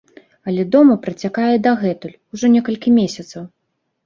Але дом працякае і дагэтуль, ужо некалькі месяцаў.